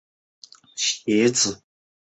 测试过程受到严密监视并须通过质控。